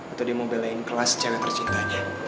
atau dia mau belain kelas cewek tercintanya